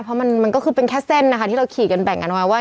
เพราะมันก็คือเป็นแค่เส้นนะคะที่เราขี่กันแบ่งกันไว้ว่า